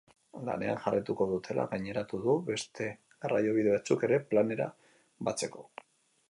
Lanean jarraituko dutela gaineratu du, beste garraiobide batzuk ere planera batzeko.